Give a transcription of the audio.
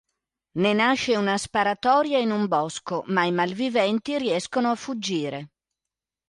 Ne nasce una sparatoria in un bosco, ma i malviventi riescono a fuggire.